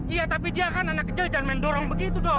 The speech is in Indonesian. iya tapi dia kan anak kecil jangan mendorong begitu dong